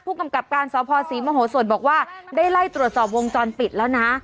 กำกับการสภศรีมโหสดบอกว่าได้ไล่ตรวจสอบวงจรปิดแล้วนะ